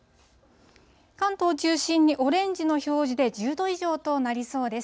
関東中心にオレンジの表示で、１０度以上となりそうです。